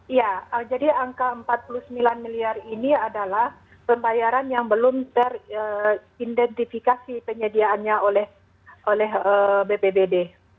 iya jadi angka rp empat puluh sembilan miliar ini adalah pembayaran yang belum teridentifikasi penyediaannya oleh bpbd